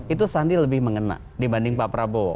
itu sandi lebih mengena dibanding pak prabowo